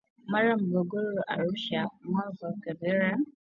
Mara Morogoro Arusha Mwanza na Kagera ni mikoa inayolima viazi lishe tanzania